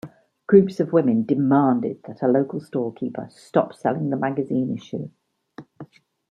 Groups of women demanded that a local storekeeper stop selling the magazine issue.